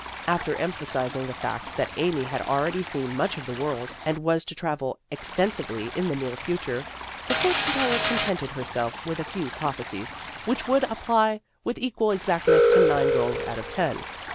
After emphasizing the fact that Amy had already seen much of the world and was to travel extensively in the near future, the for tune teller contented herself with a few prophe cies which would apply with equal exactness to nine girls out of ten.